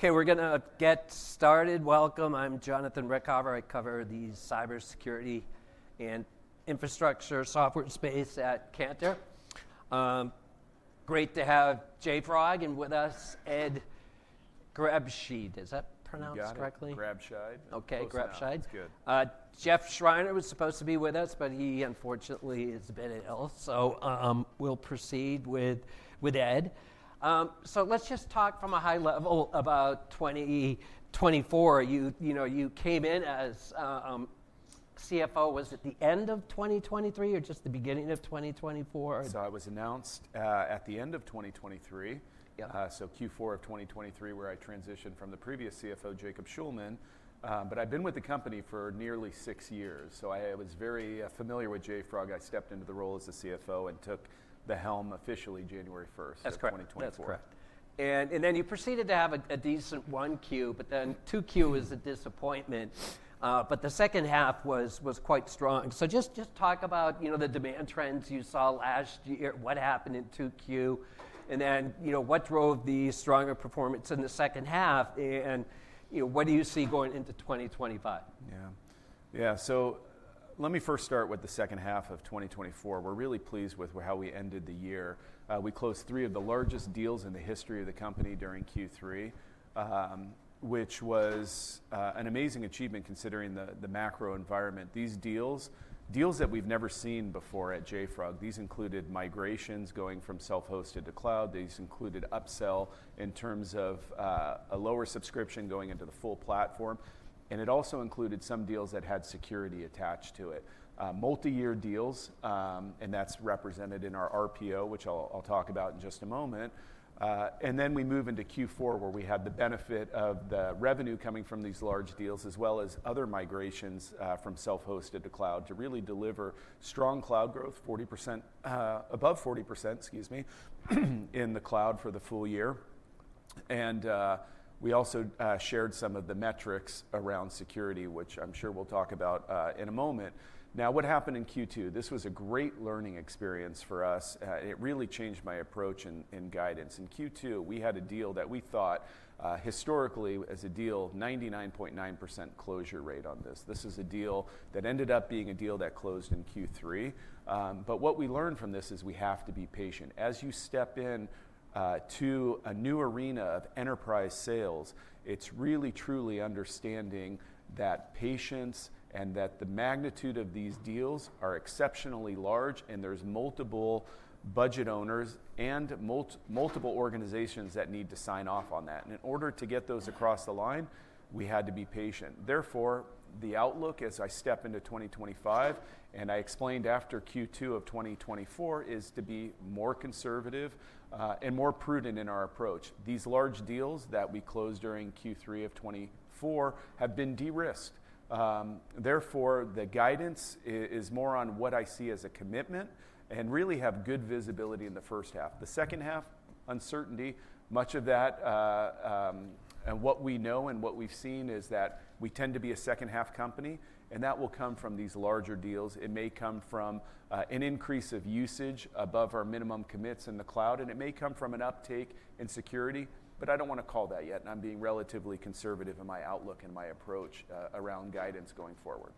Okay, we're going to get started. Welcome. I'm Jonathan Ruykhaver. I cover the cybersecurity and infrastructure software space at Cantor. Great to have JFrog and with us, Ed Grabscheid. Is that pronounced correctly? Yeah, Grabscheid. Okay, Grabscheid. That's good. Shlomi was supposed to be with us, but he unfortunately has been ill, so we'll proceed with Ed. Let's just talk from a high level about 2024. You came in as CFO, was it the end of 2023 or just the beginning of 2024? I was announced at the end of 2023, so Q4 of 2023, where I transitioned from the previous CFO, Jacob Shulman. But I've been with the company for nearly six years, so I was very familiar with JFrog. I stepped into the role as the CFO and took the helm officially January 1st, 2024. That's correct. You proceeded to have a decent 1Q, but then 2Q was a disappointment. The second half was quite strong. Just talk about the demand trends you saw last year, what happened in 2Q, and what drove the stronger performance in the second half, and what do you see going into 2025? Yeah, yeah. Let me first start with the second half of 2024. We're really pleased with how we ended the year. We closed three of the largest deals in the history of the company during Q3, which was an amazing achievement considering the macro environment. These deals, deals that we've never seen before at JFrog, included migrations going from self-hosted to cloud. These included upsell in terms of a lower subscription going into the full platform. It also included some deals that had security attached to it, multi-year deals, and that's represented in our RPO, which I'll talk about in just a moment. We move into Q4, where we had the benefit of the revenue coming from these large deals, as well as other migrations from self-hosted to cloud to really deliver strong cloud growth, 40%, above 40%, excuse me, in the cloud for the full year. We also shared some of the metrics around security, which I'm sure we'll talk about in a moment. Now, what happened in Q2? This was a great learning experience for us. It really changed my approach and guidance. In Q2, we had a deal that we thought historically as a deal, 99.9% closure rate on this. This is a deal that ended up being a deal that closed in Q3. What we learned from this is we have to be patient. As you step into a new arena of enterprise sales, it's really truly understanding that patience and that the magnitude of these deals are exceptionally large, and there's multiple budget owners and multiple organizations that need to sign off on that. In order to get those across the line, we had to be patient. Therefore, the outlook as I step into 2025, and I explained after Q2 of 2024, is to be more conservative and more prudent in our approach. These large deals that we closed during Q3 of 2024 have been de-risked. Therefore, the guidance is more on what I see as a commitment and really have good visibility in the first half. The second half, uncertainty, much of that, and what we know and what we've seen is that we tend to be a second-half company, and that will come from these larger deals. It may come from an increase of usage above our minimum commits in the cloud, and it may come from an uptake in security, but I do not want to call that yet. I am being relatively conservative in my outlook and my approach around guidance going forward.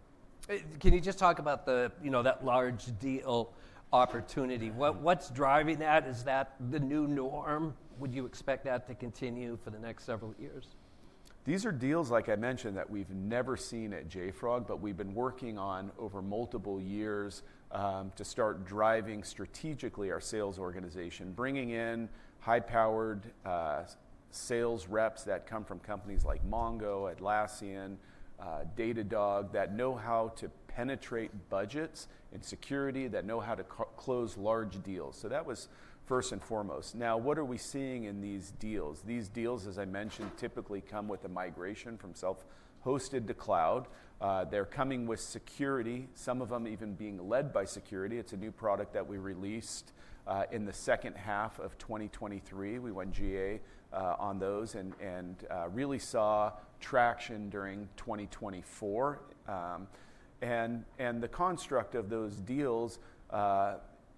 Can you just talk about that large deal opportunity? What's driving that? Is that the new norm? Would you expect that to continue for the next several years? These are deals, like I mentioned, that we've never seen at JFrog, but we've been working on over multiple years to start driving strategically our sales organization, bringing in high-powered sales reps that come from companies like MongoDB, Atlassian, Datadog, that know how to penetrate budgets and security, that know how to close large deals. That was first and foremost. Now, what are we seeing in these deals? These deals, as I mentioned, typically come with a migration from self-hosted to cloud. They're coming with security, some of them even being led by security. It's a new product that we released in the second half of 2023. We went GA on those and really saw traction during 2024. The construct of those deals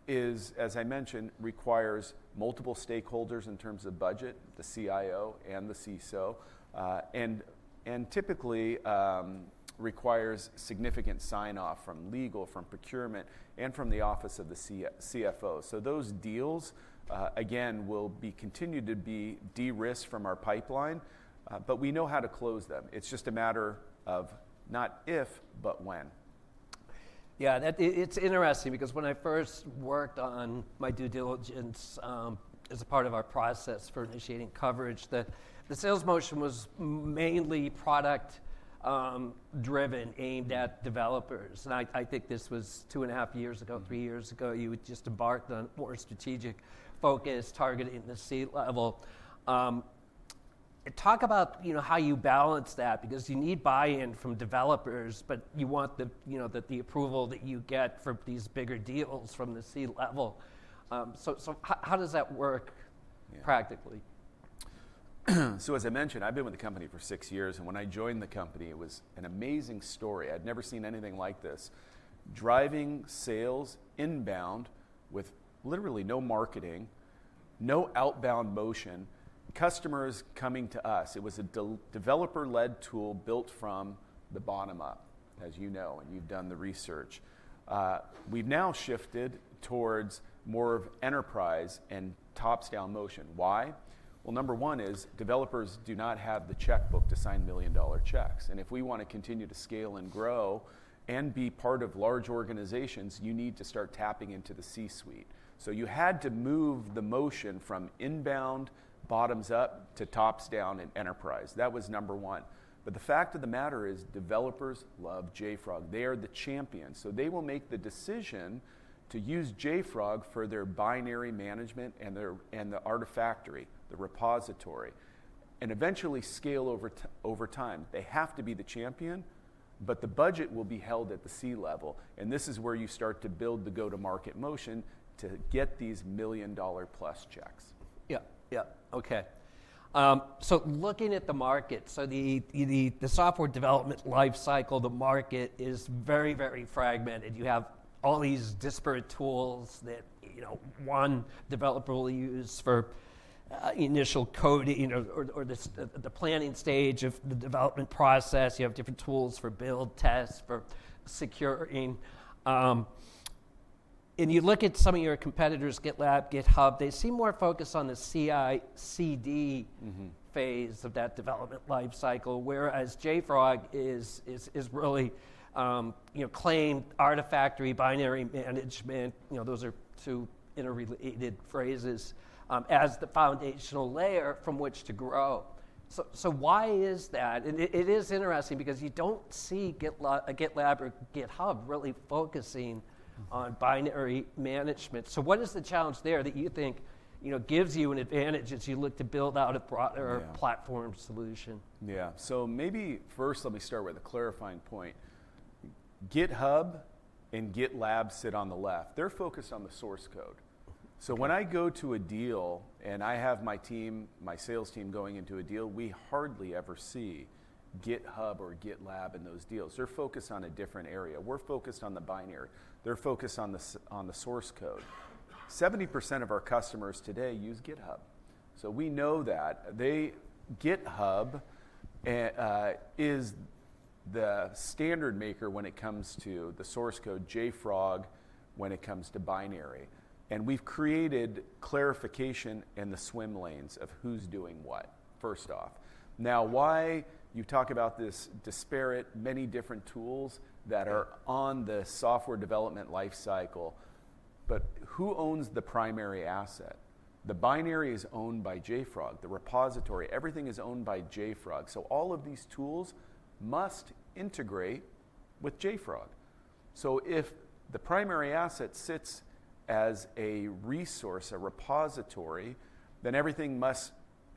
is, as I mentioned, requires multiple stakeholders in terms of budget, the CIO and the CISO, and typically requires significant sign-off from Legal, from Procurement, and from the Office of the CFO. Those deals, again, will continue to be de-risked from our pipeline, but we know how to close them. It's just a matter of not if, but when. Yeah, it's interesting because when I first worked on my due diligence as a part of our process for initiating coverage, the sales motion was mainly product-driven, aimed at developers. I think this was two and a half years ago, three years ago, you had just embarked on a more strategic focus targeting the C level. Talk about how you balance that because you need buy-in from developers, but you want the approval that you get for these bigger deals from the C level. How does that work practically? As I mentioned, I've been with the company for six years, and when I joined the company, it was an amazing story. I'd never seen anything like this. Driving sales inbound with literally no marketing, no outbound motion, customers coming to us. It was a developer-led tool built from the bottom up, as you know, and you've done the research. We've now shifted towards more of enterprise and top-down motion. Why? Number one is developers do not have the checkbook to sign million-dollar checks. If we want to continue to scale and grow and be part of large organizations, you need to start tapping into the C-suite. You had to move the motion from inbound, bottoms up to tops down in enterprise. That was number one. The fact of the matter is developers love JFrog. They are the champions. They will make the decision to use JFrog for their binary management and the Artifactory, the repository, and eventually scale over time. They have to be the champion, but the budget will be held at the C level. This is where you start to build the go-to-market motion to get these million-dollar plus checks. Yeah, yeah. Okay. Looking at the market, the software development life cycle, the market is very, very fragmented. You have all these disparate tools that one developer will use for initial coding or the planning stage of the development process. You have different tools for build, test, for securing. You look at some of your competitors, GitLab, GitHub, they seem more focused on the CI/CD phase of that development life cycle, whereas JFrog has really claimed Artifactory, binary management. Those are two interrelated phrases as the foundational layer from which to grow. Why is that? It is interesting because you do not see GitLab or GitHub really focusing on binary management. What is the challenge there that you think gives you an advantage as you look to build out a broader platform solution? Yeah. Maybe first let me start with a clarifying point. GitHub and GitLab sit on the left. They're focused on the source code. When I go to a deal and I have my team, my sales team going into a deal, we hardly ever see GitHub or GitLab in those deals. They're focused on a different area. We're focused on the binary. They're focused on the source code. 70% of our customers today use GitHub. We know that GitHub is the standard maker when it comes to the source code, JFrog when it comes to binary. We've created clarification in the swim lanes of who's doing what, first off. Now, why you talk about this disparate, many different tools that are on the software development life cycle, but who owns the primary asset? The binary is owned by JFrog. The repository, everything is owned by JFrog. All of these tools must integrate with JFrog. If the primary asset sits as a resource, a repository, then everything must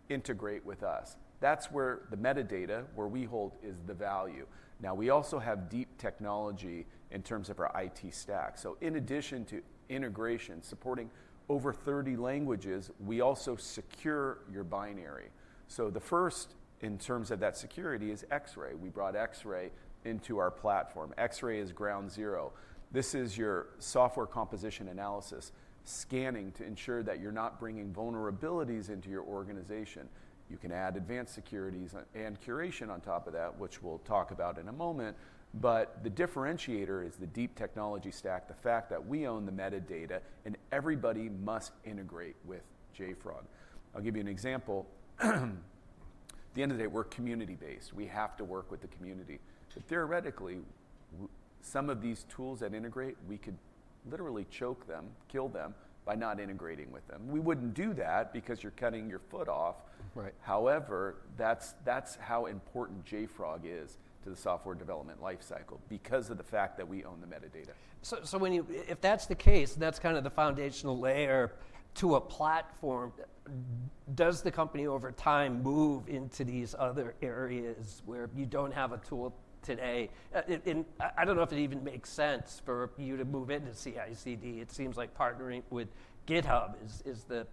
integrate with us. That is where the metadata we hold is the value. We also have deep technology in terms of our IT stack. In addition to integration, supporting over 30 languages, we also secure your binary. The first in terms of that security is Xray. We brought Xray into our platform. Xray is ground zero. This is your software composition analysis, scanning to ensure that you're not bringing vulnerabilities into your organization. You can add Advanced Security and Curation on top of that, which we'll talk about in a moment. The differentiator is the deep technology stack, the fact that we own the metadata and everybody must integrate with JFrog. I'll give you an example. At the end of the day, we're community-based. We have to work with the community. Theoretically, some of these tools that integrate, we could literally choke them, kill them by not integrating with them. We wouldn't do that because you're cutting your foot off. However, that's how important JFrog is to the software development life cycle because of the fact that we own the metadata. If that's the case, that's kind of the foundational layer to a platform. Does the company over time move into these other areas where you don't have a tool today? I don't know if it even makes sense for you to move into CI/CD. It seems like partnering with GitHub is the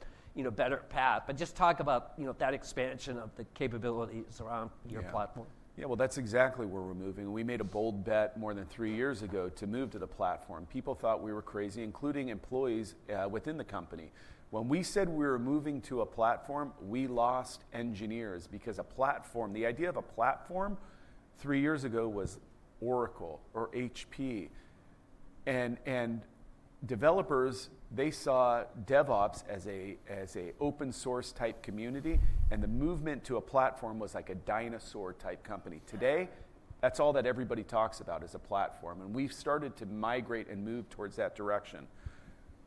better path. Just talk about that expansion of the capabilities around your platform. Yeah, that's exactly where we're moving. We made a bold bet more than three years ago to move to the platform. People thought we were crazy, including employees within the company. When we said we were moving to a platform, we lost engineers because a platform, the idea of a platform three years ago was Oracle or HP. Developers saw DevOps as an open-source type community, and the movement to a platform was like a dinosaur type company. Today, that's all that everybody talks about is a platform. We've started to migrate and move towards that direction.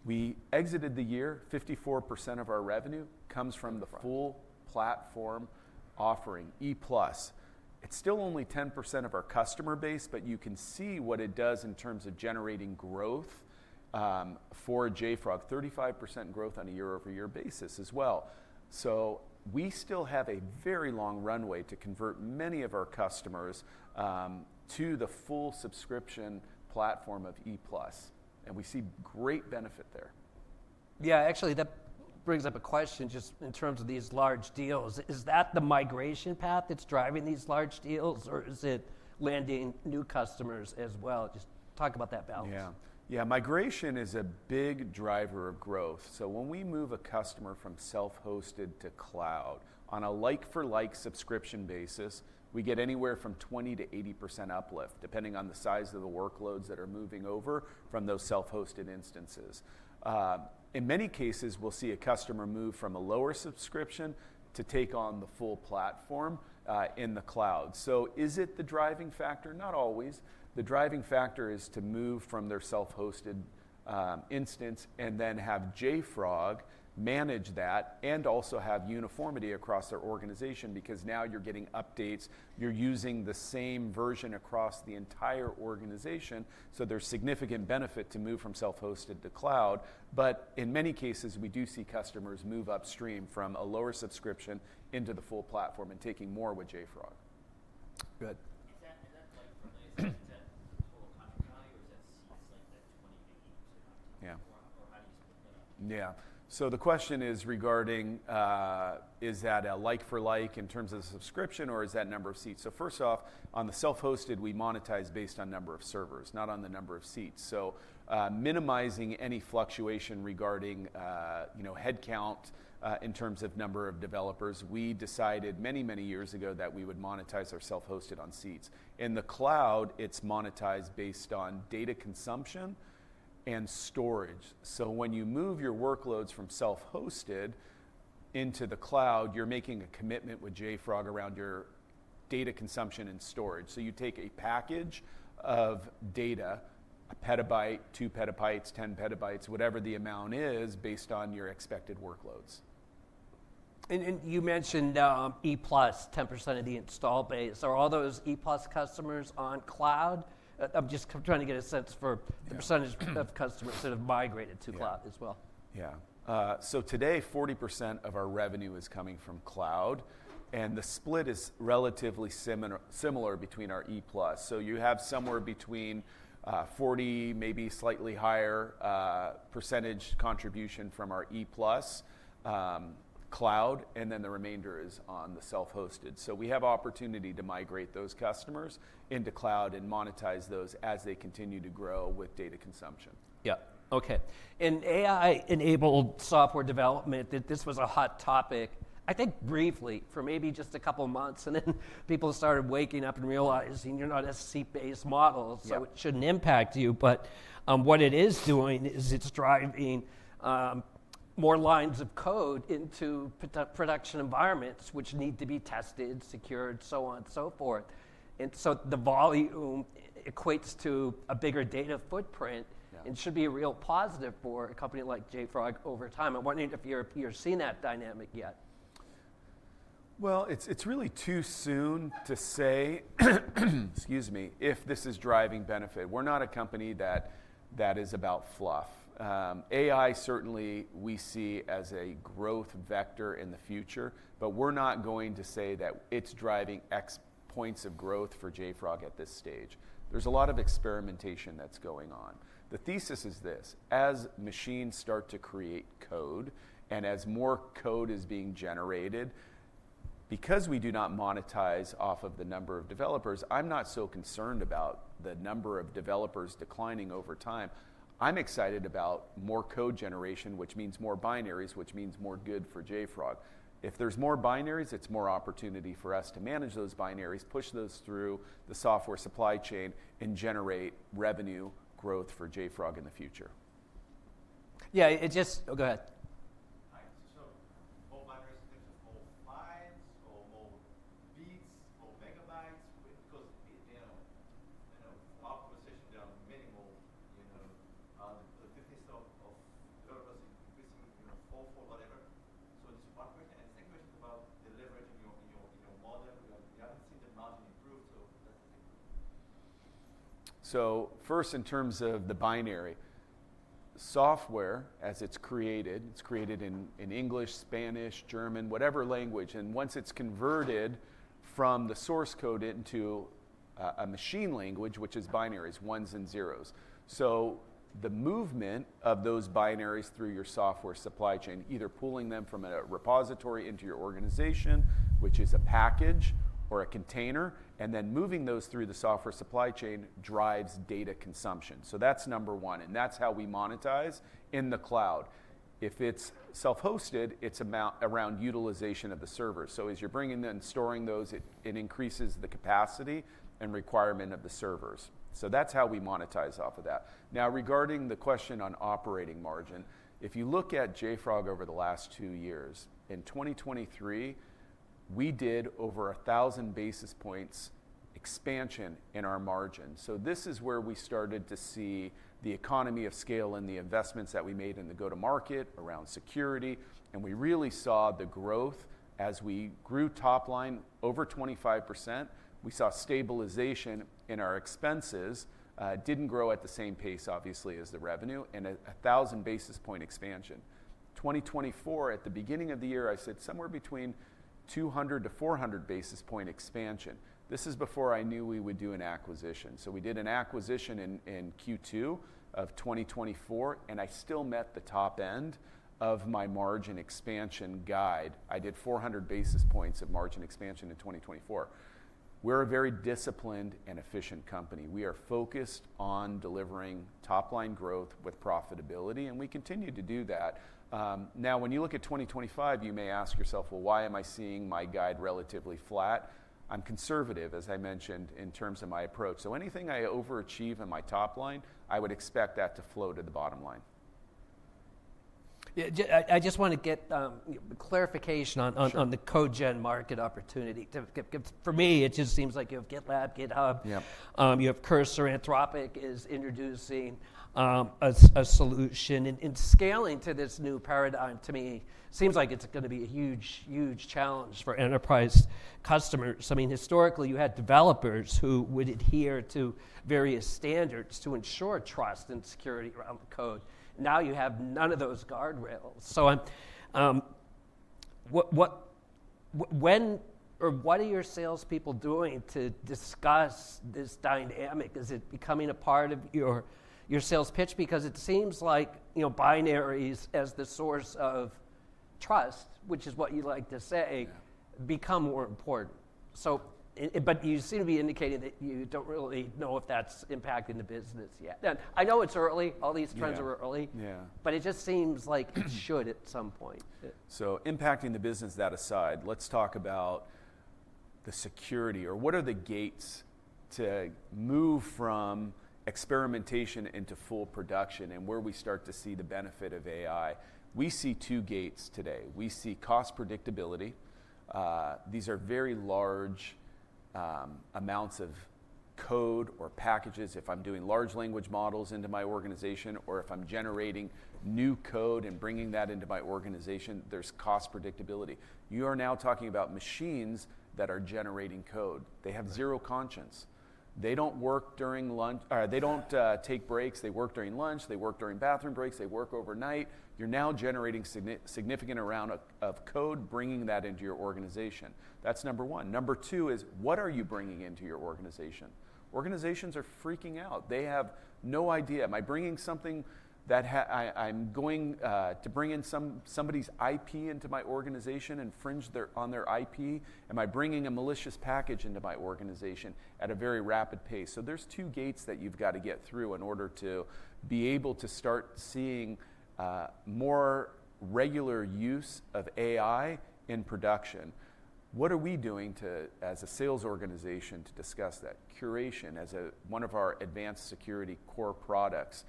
We exited the year. 54% of our revenue comes from the full platform offering, E+. It's still only 10% of our customer base, but you can see what it does in terms of generating growth for JFrog, 35% growth on a year-over-year basis as well. We still have a very long runway to convert many of our customers to the full subscription platform of E+. We see great benefit there. Yeah, actually, that brings up a question just in terms of these large deals. Is that the migration path that's driving these large deals, or is it landing new customers as well? Just talk about that balance. Yeah, yeah. Migration is a big driver of growth. When we move a customer from self-hosted to cloud on a like-for-like subscription basis, we get anywhere from 20% to 80% uplift, depending on the size of the workloads that are moving over from those self-hosted instances. In many cases, we'll see a customer move from a lower subscription to take on the full platform in the cloud. Is it the driving factor? Not always. The driving factor is to move from their self-hosted instance and then have JFrog manage that and also have uniformity across their organization because now you're getting updates. You're using the same version across the entire organization. There is significant benefit to move from self-hosted to cloud. In many cases, we do see customers move upstream from a lower subscription into the full platform and taking more with JFrog. Good. Is that like for like? Is that the total contract value, or is that seats like that 20%, 80% up to? Or how do you split that up? Yeah. The question is regarding is that a like-for-like in terms of the subscription, or is that number of seats? First off, on the self-hosted, we monetize based on number of servers, not on the number of seats. Minimizing any fluctuation regarding headcount in terms of number of developers. We decided many, many years ago that we would monetize our self-hosted on seats. In the cloud, it is monetized based on data consumption and storage. When you move your workloads from self-hosted into the cloud, you are making a commitment with JFrog around your data consumption and storage. You take a package of data, 1 PB, 2 PB, 10 PB, whatever the amount is based on your expected workloads. You mentioned E+, 10% of the install base. Are all those E+ customers on cloud? I'm just trying to get a sense for the percentage of customers that have migrated to cloud as well. Yeah. Today, 40% of our revenue is coming from cloud, and the split is relatively similar between our E+. You have somewhere between 40%, maybe slightly higher percentage contribution from our E+ cloud, and then the remainder is on the self-hosted. We have opportunity to migrate those customers into cloud and monetize those as they continue to grow with data consumption. Yeah. Okay. AI-enabled software development, this was a hot topic, I think briefly for maybe just a couple of months, and then people started waking up and realizing you're not a seat-based model, so it shouldn't impact you. What it is doing is it's driving more lines of code into production environments, which need to be tested, secured, so on and so forth. The volume equates to a bigger data footprint and should be a real positive for a company like JFrog over time. I'm wondering if you're seeing that dynamic yet. It is really too soon to say, excuse me, if this is driving benefit. We are not a company that is about fluff. AI certainly we see as a growth vector in the future, but we are not going to say that it is driving X points of growth for JFrog at this stage. There is a lot of experimentation that is going on. The thesis is this: as machines start to create code and as more code is being generated, because we do not monetize off of the number of developers, I am not so concerned about the number of developers declining over time. I am excited about more code generation, which means more binaries, which means more good for JFrog. If there are more binaries, it is more opportunity for us to manage those binaries, push those through the software supply chain, and generate revenue growth for JFrog in the future. Yeah, it just—oh, go ahead. Hi. More binaries, there's more lines, or more reads, more megabytes, because in our position, there are many more. The thing is developers increasingly fall for whatever. This is one question. The second question is about the leverage in your model. We haven't seen the margin improve, so that's the second question. First, in terms of the binary, software as it's created, it's created in English, Spanish, German, whatever language. Once it's converted from the source code into a machine language, which is binaries, ones and zeros, the movement of those binaries through your software supply chain, either pulling them from a repository into your organization, which is a package or a container, and then moving those through the software supply chain drives data consumption. That's number one. That's how we monetize in the cloud. If it's self-hosted, it's around utilization of the servers. As you're bringing them and storing those, it increases the capacity and requirement of the servers. That's how we monetize off of that. Now, regarding the question on operating margin, if you look at JFrog over the last two years, in 2023, we did over 1,000 basis points expansion in our margin. This is where we started to see the economy of scale and the investments that we made in the go-to-market around security. We really saw the growth as we grew top line over 25%. We saw stabilization in our expenses. It did not grow at the same pace, obviously, as the revenue and 1,000 basis point expansion. In 2024, at the beginning of the year, I said somewhere between 200-400 basis point expansion. This is before I knew we would do an acquisition. We did an acquisition in Q2 of 2024, and I still met the top end of my margin expansion guide. I did 400 basis points of margin expansion in 2024. We're a very disciplined and efficient company. We are focused on delivering top-line growth with profitability, and we continue to do that. Now, when you look at 2025, you may ask yourself, well, why am I seeing my guide relatively flat? I'm conservative, as I mentioned, in terms of my approach. So anything I overachieve in my top line, I would expect that to flow to the bottom line. I just want to get clarification on the code gen market opportunity. For me, it just seems like you have GitLab, GitHub. You have Cursor. Anthropic is introducing a solution. Scaling to this new paradigm, to me, seems like it's going to be a huge, huge challenge for enterprise customers. I mean, historically, you had developers who would adhere to various standards to ensure trust and security around the code. Now you have none of those guardrails. When or what are your salespeople doing to discuss this dynamic? Is it becoming a part of your sales pitch? It seems like binaries as the source of trust, which is what you like to say, become more important. You seem to be indicating that you don't really know if that's impacting the business yet. I know it's early. All these trends are early, but it just seems like it should at some point. Impacting the business, that aside, let's talk about the security or what are the gates to move from experimentation into full production and where we start to see the benefit of AI. We see two gates today. We see cost predictability. These are very large amounts of code or packages. If I'm doing large language models into my organization or if I'm generating new code and bringing that into my organization, there's cost predictability. You are now talking about machines that are generating code. They have zero conscience. They don't work during lunch. They don't take breaks. They work during lunch. They work during bathroom breaks. They work overnight. You're now generating significant amounts of code, bringing that into your organization. That's number one. Number two is what are you bringing into your organization? Organizations are freaking out. They have no idea. Am I bringing something that I'm going to bring in somebody's IP into my organization and infringe on their IP? Am I bringing a malicious package into my organization at a very rapid pace? There are two gates that you've got to get through in order to be able to start seeing more regular use of AI in production. What are we doing as a sales organization to discuss that? Curation, as one of our Advanced Security core products,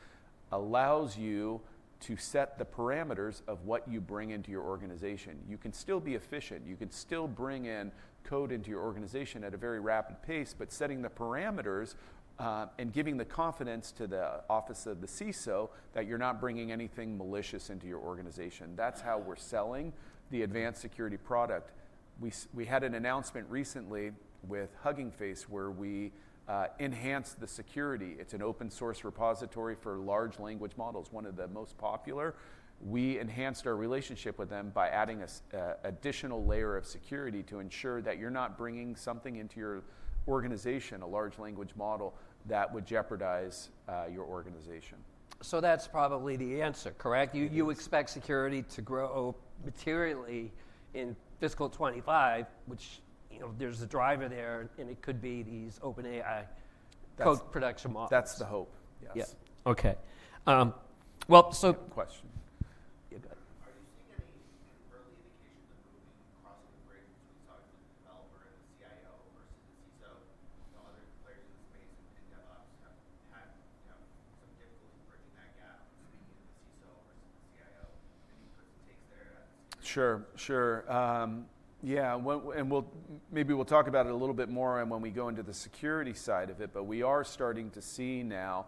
allows you to set the parameters of what you bring into your organization. You can still be efficient. You can still bring in code into your organization at a very rapid pace, but setting the parameters and giving the confidence to the Office of the CISO that you're not bringing anything malicious into your organization. That's how we're selling the Advanced Security product. We had an announcement recently with Hugging Face where we enhanced the security. It's an open-source repository for large language models, one of the most popular. We enhanced our relationship with them by adding an additional layer of security to ensure that you're not bringing something into your organization, a large language model that would jeopardize your organization. That is probably the answer, correct? You expect security to grow materially in fiscal 2025, which there is a driver there, and it could be these OpenAI code production models. That's the hope. Yes. Yeah. Okay. Good question. Yeah, go ahead. Are you seeing any early indications of moving across the bridge between talking to the developer and the CIO versus the CISO? Other players in the space and DevOps have had some difficulty bridging that gap, speaking to the CISO versus the CIO. Any takes there at the CIO? Sure, sure. Yeah. Maybe we'll talk about it a little bit more when we go into the security side of it, but we are starting to see now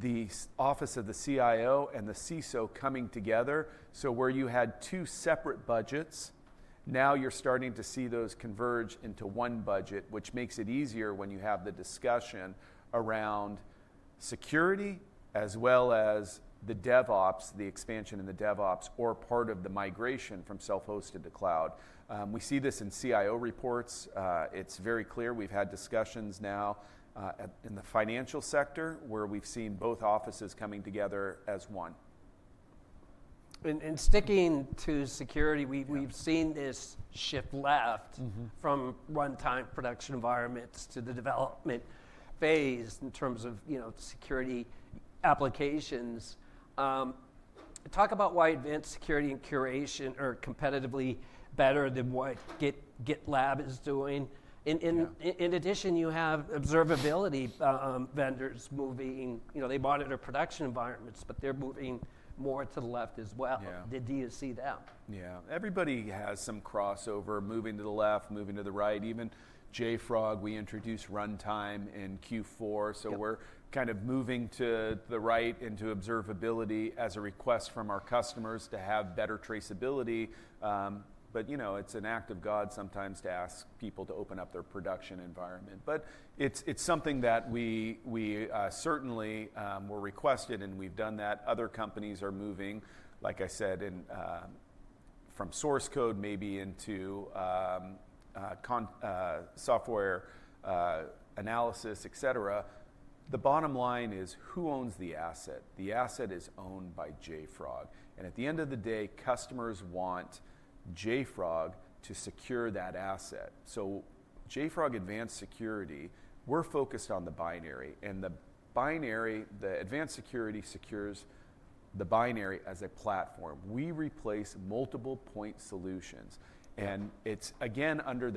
the Office of the CIO and the CISO coming together. Where you had two separate budgets, now you're starting to see those converge into one budget, which makes it easier when you have the discussion around security as well as the DevOps, the expansion in the DevOps, or part of the migration from self-hosted to cloud. We see this in CIO reports. It's very clear. We've had discussions now in the financial sector where we've seen both offices coming together as one. Sticking to security, we've seen this shift left from one-time production environments to the development phase in terms of security applications. Talk about why Advanced Security and Curation are competitively better than what GitLab is doing. In addition, you have observability vendors moving. They monitor production environments, but they're moving more to the left as well. Do you see that? Yeah. Everybody has some crossover moving to the left, moving to the right. Even JFrog, we introduced runtime in Q4, so we're kind of moving to the right into observability as a request from our customers to have better traceability. It's an act of God sometimes to ask people to open up their production environment. It's something that we certainly were requested, and we've done that. Other companies are moving, like I said, from source code maybe into software analysis, etc. The bottom line is who owns the asset? The asset is owned by JFrog. At the end of the day, customers want JFrog to secure that asset. JFrog Advanced Security, we're focused on the binary. The binary, the Advanced Security secures the binary as a platform. We replace multiple point solutions. It is again under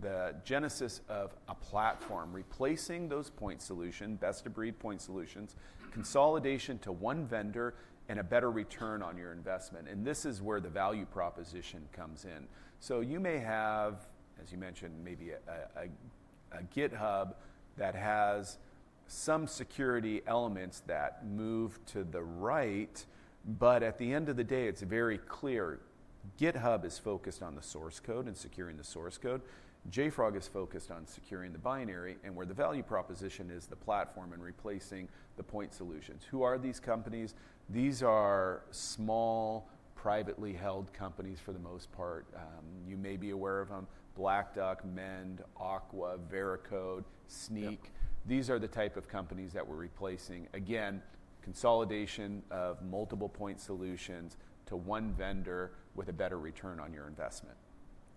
the genesis of a platform, replacing those point solutions, best-of-breed point solutions, consolidation to one vendor and a better return on your investment. This is where the value proposition comes in. You may have, as you mentioned, maybe a GitHub that has some security elements that move to the right, but at the end of the day, it is very clear. GitHub is focused on the source code and securing the source code. JFrog is focused on securing the binary. Where the value proposition is the platform and replacing the point solutions. Who are these companies? These are small, privately held companies for the most part. You may be aware of them: Black Duck, Mend, Aqua Security, Veracode, Snyk. These are the type of companies that we are replacing. Again, consolidation of multiple point solutions to one vendor with a better return on your investment.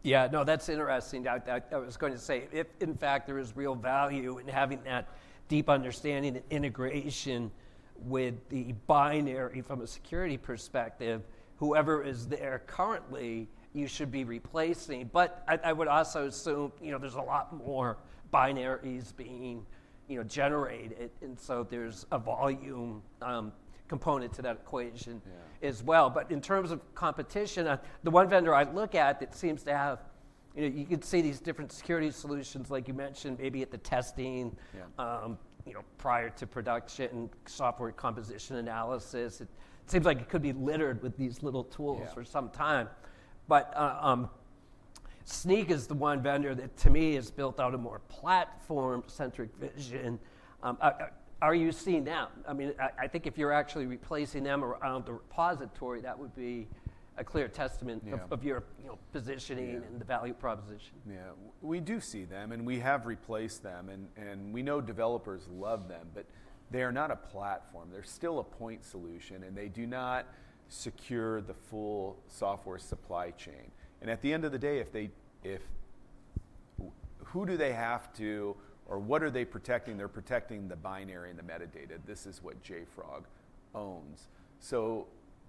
Yeah, no, that's interesting. I was going to say, if in fact there is real value in having that deep understanding and integration with the binary from a security perspective, whoever is there currently, you should be replacing. I would also assume there's a lot more binaries being generated, so there's a volume component to that equation as well. In terms of competition, the one vendor I look at that seems to have, you could see these different security solutions, like you mentioned, maybe at the testing prior to production, software composition analysis. It seems like it could be littered with these little tools for some time. Snyk is the one vendor that, to me, has built out a more platform-centric vision. Are you seeing that? I mean, I think if you're actually replacing them around the repository, that would be a clear testament of your positioning and the value proposition. Yeah. We do see them, and we have replaced them. We know developers love them, but they are not a platform. They are still a point solution, and they do not secure the full software supply chain. At the end of the day, who do they have to or what are they protecting? They are protecting the binary and the metadata. This is what JFrog owns.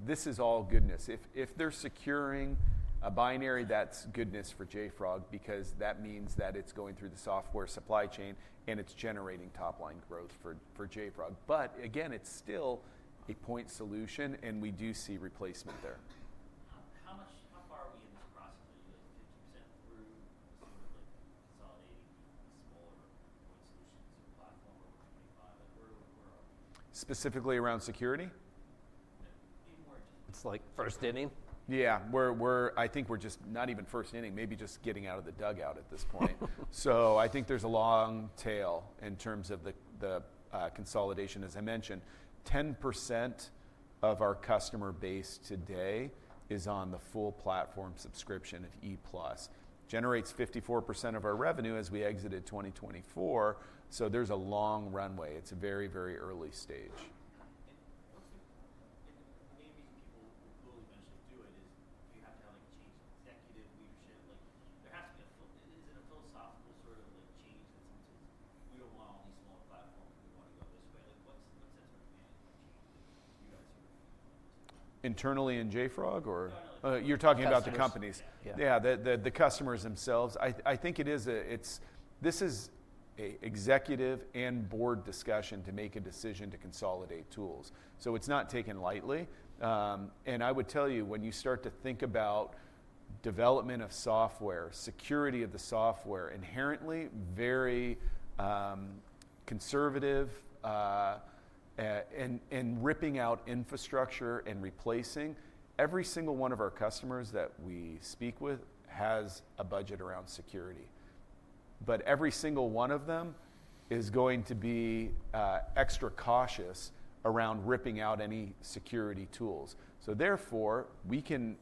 This is all goodness. If they are securing a binary, that is goodness for JFrog because that means that it is going through the software supply chain and it is generating top-line growth for JFrog. Again, it is still a point solution, and we do see replacement there. How far are we in this process? Are you at 50% through consolidating the smaller point solutions to a platform over 25%? Where are we? Specifically around security? Even more. It's like first inning. Yeah. I think we're just not even first inning, maybe just getting out of the dugout at this point. I think there's a long tail in terms of the consolidation. As I mentioned, 10% of our customer base today is on the full platform subscription of E+. Generates 54% of our revenue as we exited 2024. There's a long runway. It's a very, very early stage. The main reason people will eventually do it is you have to have a change in executive leadership. There has to be a philosophical sort of change that says, "We don't want all these smaller platforms. We want to go this way." What sets our demand for change that you guys are looking forward to? Internally in JFrog or? Internally. You're talking about the companies. Yeah, the customers themselves. I think it is this is an executive and board discussion to make a decision to consolidate tools. It is not taken lightly. I would tell you, when you start to think about development of software, security of the software, inherently very conservative and ripping out infrastructure and replacing, every single one of our customers that we speak with has a budget around security. Every single one of them is going to be extra cautious around ripping out any security tools. Therefore, we can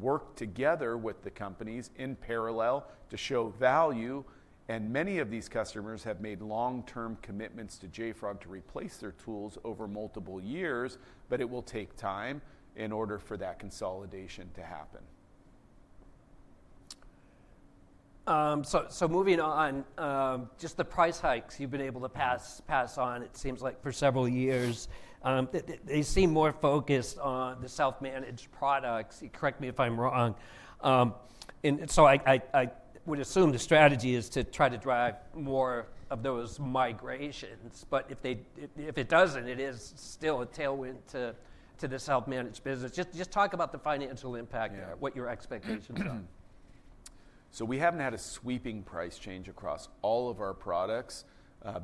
work together with the companies in parallel to show value. Many of these customers have made long-term commitments to JFrog to replace their tools over multiple years, but it will take time in order for that consolidation to happen. Moving on, just the price hikes you've been able to pass on, it seems like for several years, they seem more focused on the self-managed products. Correct me if I'm wrong. I would assume the strategy is to try to drive more of those migrations. If it doesn't, it is still a tailwind to the self-managed business. Just talk about the financial impact there, what your expectations are. We have not had a sweeping price change across all of our products,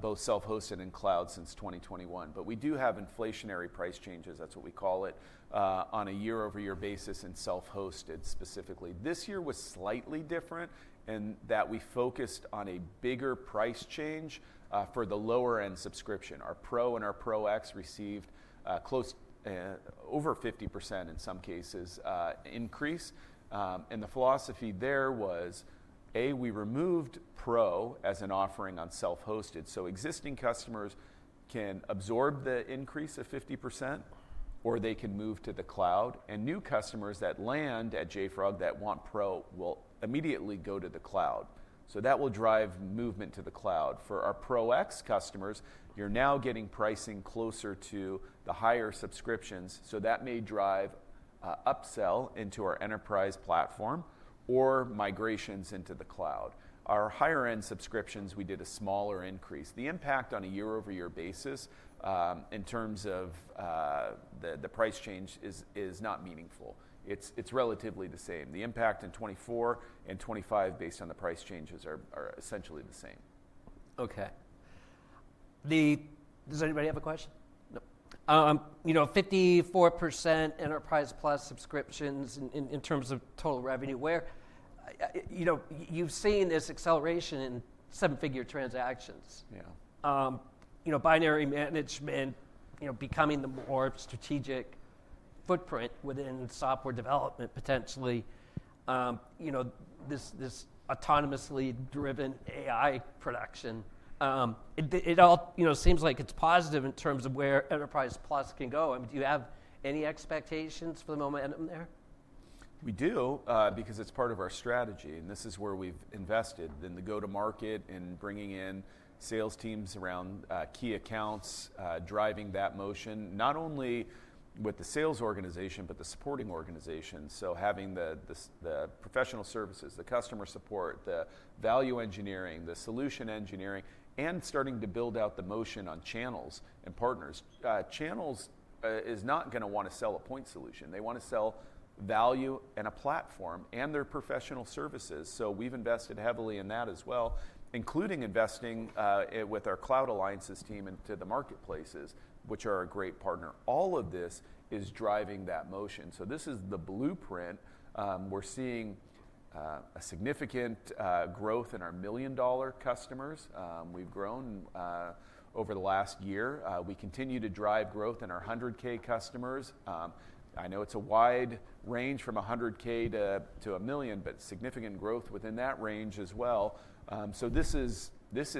both self-hosted and cloud, since 2021. We do have inflationary price changes. That is what we call it on a year-over-year basis in self-hosted specifically. This year was slightly different in that we focused on a bigger price change for the lower-end subscription. Our Pro and our Pro X received close to over 50% in some cases increase. The philosophy there was, A, we removed Pro as an offering on self-hosted. Existing customers can absorb the increase of 50%, or they can move to the cloud. New customers that land at JFrog that want Pro will immediately go to the cloud. That will drive movement to the cloud. For our Pro X customers, you are now getting pricing closer to the higher subscriptions. That may drive upsell into our enterprise platform or migrations into the cloud. Our higher-end subscriptions, we did a smaller increase. The impact on a year-over-year basis in terms of the price change is not meaningful. It's relatively the same. The impact in 2024 and 2025 based on the price changes are essentially the same. Okay. Does anybody have a question? No. 54% Enterprise+ subscriptions in terms of total revenue. You've seen this acceleration in seven-figure transactions. Binary management becoming the more strategic footprint within software development potentially. This autonomously driven AI production. It all seems like it's positive in terms of where Enterprise+ can go. Do you have any expectations for the momentum there? We do because it's part of our strategy. This is where we've invested in the go-to-market and bringing in sales teams around key accounts, driving that motion, not only with the sales organization, but the supporting organizations. Having the professional services, the customer support, the value engineering, the solution engineering, and starting to build out the motion on channels and partners. Channels is not going to want to sell a point solution. They want to sell value and a platform and their professional services. We've invested heavily in that as well, including investing with our Cloud Alliances team into the marketplaces, which are a great partner. All of this is driving that motion. This is the blueprint. We're seeing a significant growth in our million-dollar customers. We've grown over the last year. We continue to drive growth in our 100,000 customers. I know it's a wide range from 100,000 to 1 million, but significant growth within that range as well. This is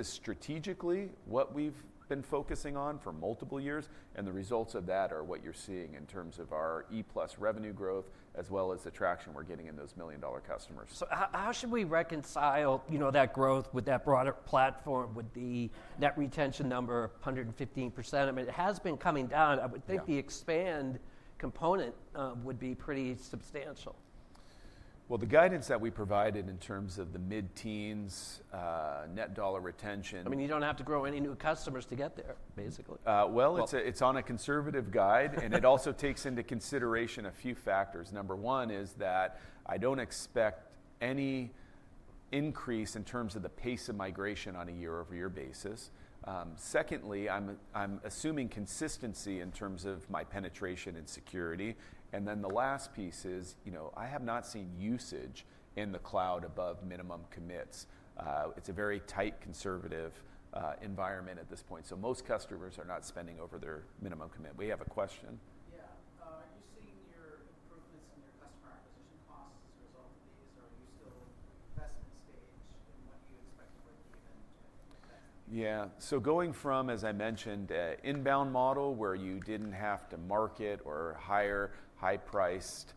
strategically what we've been focusing on for multiple years. The results of that are what you're seeing in terms of our E+ revenue growth as well as the traction we're getting in those million-dollar customers. How should we reconcile that growth with that broader platform with the net retention number of 115%? I mean, it has been coming down. I would think the expand component would be pretty substantial. The guidance that we provided in terms of the mid-teens net dollar retention. I mean, you don't have to grow any new customers to get there, basically. It's on a conservative guide. It also takes into consideration a few factors. Number one is that I don't expect any increase in terms of the pace of migration on a year-over-year basis. Secondly, I'm assuming consistency in terms of my penetration and security. The last piece is I have not seen usage in the cloud above minimum commits. It's a very tight conservative environment at this point. Most customers are not spending over their minimum commit. We have a question. Yeah. Are you seeing your improvements in your customer acquisition costs as a result of these, or are you still in the investment stage in what you expect to break even with that? Yeah. Going from, as I mentioned, an inbound model where you did not have to market or hire high-priced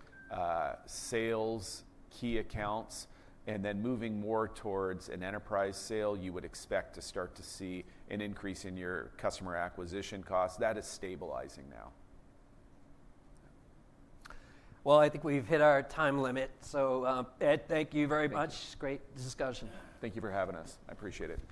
sales key accounts, and then moving more towards an enterprise sale, you would expect to start to see an increase in your customer acquisition costs. That is stabilizing now. I think we've hit our time limit. Ed, thank you very much. Great discussion. Thank you for having us. I appreciate it.